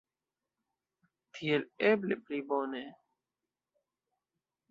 Tiel eble pli bone.